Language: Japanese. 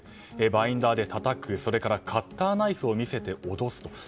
バインダーでたたくそれからカッターナイフを見せて脅すと。